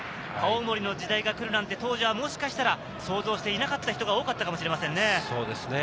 青森の時代が来るなんて当時はもしかしたら想像していなかった人が多かったかもしれませんね。